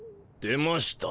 出ました。